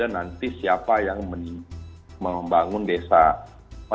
nanti siapa yang membangun desa